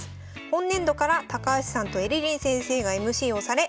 本年度から高橋さんとえりりん先生がＭＣをされ」。